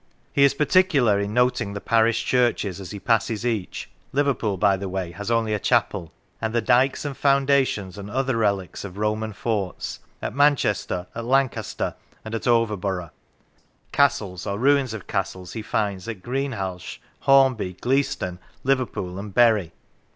He is particular in noting the parish churches as he passes each (Liverpool, by the way, has only a chapel), and the " dykes and foundations " and other relics of Roman forts, at Manchester, at Lancaster, and at Overborough. Castles, or ruins of castles, he finds at Greenhalgh, Hornby, Gleaston, Liverpool, and Bury.